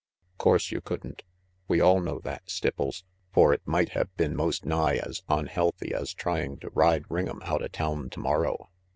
: 'Course you couldn't. We all know that, Stipples, for it might have been most nigh as onhealthy as trying to ride Ring'em outa town tomorrow.